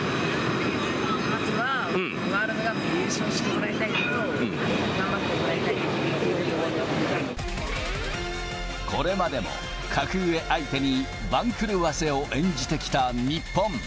まずはワールドカップ優勝してもらいたいのと、これまでも格上相手に、番狂わせを演じてきた日本。